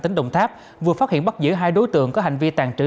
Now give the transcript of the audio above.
tỉnh đồng tháp vừa phát hiện bắt giữ hai đối tượng có hành vi tàn trữ